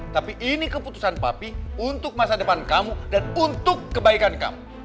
tapi ini keputusan papi untuk masa depan kamu dan untuk kebaikan kamu